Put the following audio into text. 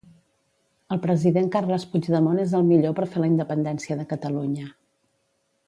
El President Carles Puigdemont és el millor per fer la independència de Catalunya